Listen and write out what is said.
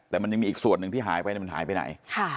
แต่มันยังมีอีกส่วนหนึ่งที่หายไปมันหายไปไหน